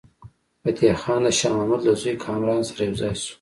فتح خان د شاه محمود له زوی کامران سره یو ځای شو.